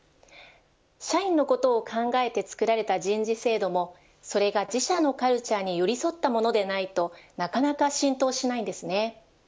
社員のことを考えて作られた人事制度もそれが自社のカルチャーに寄り添ったものでないとなかなか浸透しないんですね。